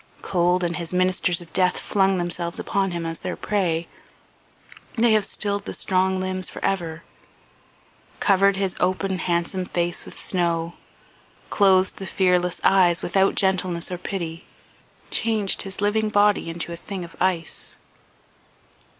Cold and his ministers of death flung themselves upon him as their prey; they have stilled the strong limbs forever, covered his open handsome face with snow, closed the fearless eyes without gentleness or pity, changed his living body into a thing of ice